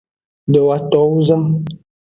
Dowotowozan.